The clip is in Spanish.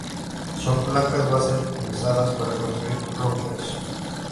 Son placas base pensadas para construir routers.